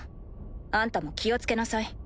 あんたも気をつけなさい。